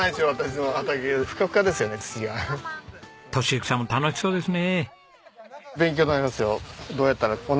敏之さんも楽しそうですね。